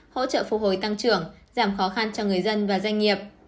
hỗ trợ phục hồi tăng trưởng giảm khó khăn cho người dân và doanh nghiệp